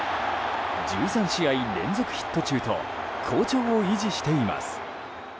１３試合連続ヒット中と好調を維持しています。